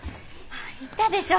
言ったでしょ。